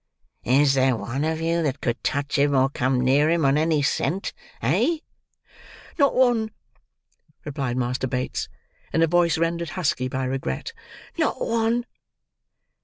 Is there one of you that could touch him or come near him on any scent! Eh?" "Not one," replied Master Bates, in a voice rendered husky by regret; "not one."